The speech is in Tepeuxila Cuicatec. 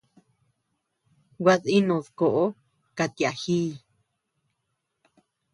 Gua dínud koʼo kat yagii.